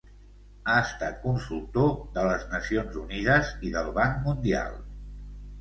Ha estat consultor de les Nacions Unides i del Banc Mundial.